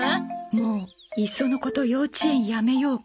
もういっそのこと幼稚園辞めようかとハッ！